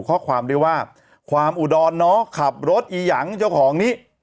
ข้อความด้วยว่าความอุดรเนาะขับรถอียังเจ้าของนี้